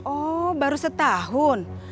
oh baru setahun